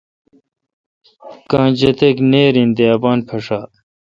کاں جتک نییر این تے اپان پھݭا ۔